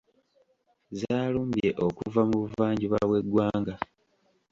Zaalumbye okuva mu buvanjuba bw'eggwanga.